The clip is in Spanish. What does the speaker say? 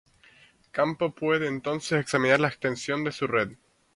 Campo puede entonces examinar la extensión de su red.